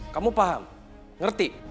kamu paham ngerti